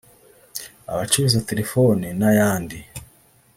abacuruza telefoni n'ayandi